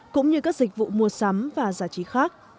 cũng như các dịch vụ mua sắm và giải trí khác